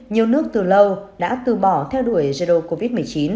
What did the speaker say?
nhiều nước từ lâu đã từ bỏ theo đuổi dây đô covid một mươi chín